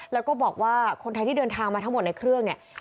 แล้วก็บอกว่าคนไทยที่เดินทางมาทั้งหมดในเครื่องเนี่ย